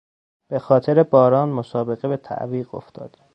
به خاطر باران مسابقه به تعویق افتاد.